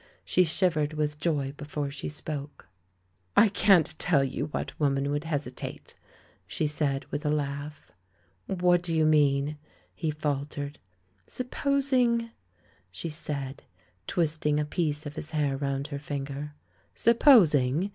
She shivered with joy before she spoke. *'I can't tell you what woman would hesitate," she said, with a laugh. "What do you mean?" he faltered. "Supi^osing " she said, twisting a piece of his hair round her finger. "'Supposing'?"